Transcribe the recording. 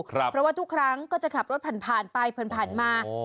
เพราะว่าทุกครั้งก็จะขับรถผ่านไปผ่านมา